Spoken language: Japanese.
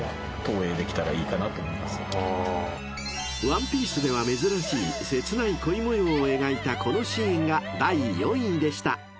［『ワンピース』では珍しい切ない恋模様を描いたこのシーンが第４位でした］